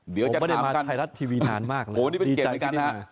ผมไม่ได้มาไทยรัฐทีวีนานมากเลยดีใจที่ได้มา